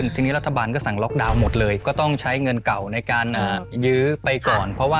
ที่นี้ราทบาลก็สั่งล็อคดาวน์หมดต้องใช้เงินเก่าในการยื้อไปก่อน